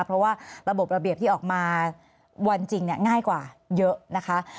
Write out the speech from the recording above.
เพราะว่าระบบระเบียบที่ออกมาวันจริงง่ายกว่าเยอะนะคะ